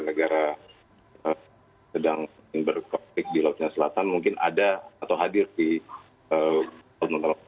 negara sedang berkomplik di lautnya selatan mungkin ada atau hadir di laut natalap